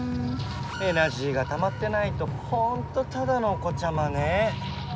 エナジーがたまってないとほんとただのお子ちゃまね。